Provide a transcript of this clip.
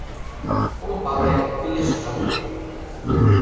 — Ом пале, кӱлешыжат уке.